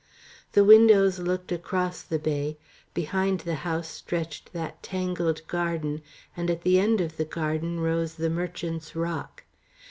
The windows looked across the bay; behind the house stretched that tangled garden, and at the end of the garden rose the Merchant's Rock.